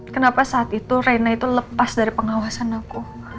kenapa saat itu reina itu lepas dari pengawasan aku